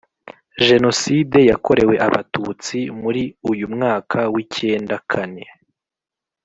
Jenoside yakorewe Abatutsi Muri uyu mwaka w’ icyenda kane